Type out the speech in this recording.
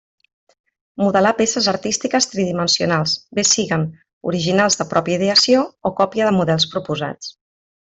Modelar peces artístiques tridimensionals bé siguen originals de pròpia ideació o còpia de models proposats.